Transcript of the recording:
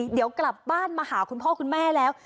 เดี๋ยวกลับบ้านมาหาคุณพ่อคุณแม่แล้ว